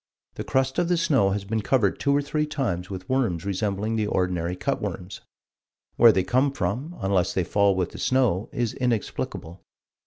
The crust of the snow has been covered two or three times with worms resembling the ordinary cut worms. Where they come from, unless they fall with the snow is inexplicable."